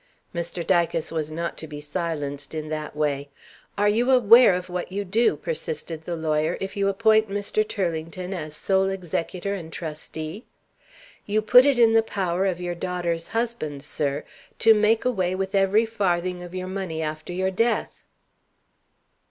Mr. Dicas was not to be silenced in that way. "Are you aware of what you do," persisted the lawyer, "if you appoint Mr. Turlington as sole executor and trustee? You put it in the power of your daughter's husband, sir, to make away with every farthing of your money after your death."